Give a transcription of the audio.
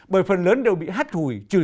bởi phần lớn đều bị hát thù